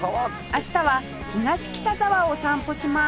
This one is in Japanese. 明日は東北沢を散歩します